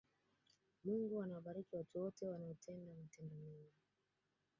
mungu anawabariki watu wote wanaotenda matendo mema